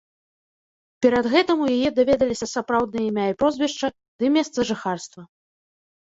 Перад гэтым у яе даведаліся сапраўдныя імя і прозвішча ды месца жыхарства.